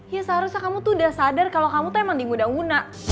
ya seharusnya kamu tuh udah sadar kalo kamu tuh emang di guna guna